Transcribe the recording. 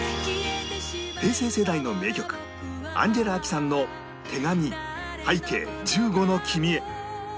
平成世代の名曲アンジェラ・アキさんの『手紙拝啓十五の君へ』